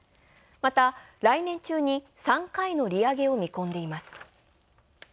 また、来年中に３回の利上げを見込んでいます。